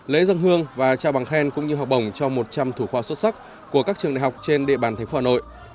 lễ dân hương và trao bằng khen cũng như học bổng cho một trăm linh thủ khoa xuất sắc của các trường đại học trên địa bàn tp hà nội